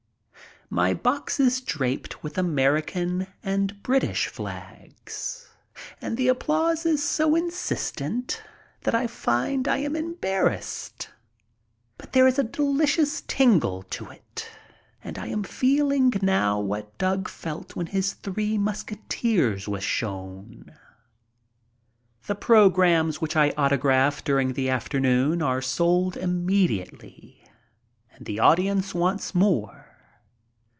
My box is draped with American and British flags, and the applause is so insistent that I find I am embarrassed. But there is a delicious tingle to it and I am feeling now what Doug felt when his "Three Musketeers" was shown. The programs which I autographed during the afternoon are sold immediately and the audience wants more.